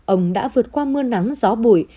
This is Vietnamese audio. ông đã vượt qua mưa nắng gió bụi